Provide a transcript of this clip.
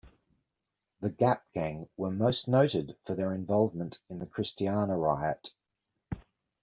The Gap Gang were most noted for their involvement in the Christiana Riot.